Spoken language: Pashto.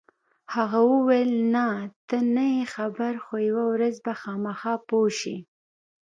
هغې وویل: نه، ته نه یې خبر، خو یوه ورځ به خامخا پوه شې.